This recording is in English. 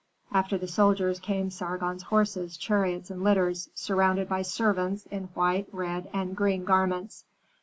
After the soldiers came Sargon's horses, chariots, and litters, surrounded by servants in white, red, and green garments.